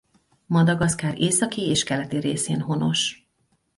Madagaszkár északi és keleti részén honos.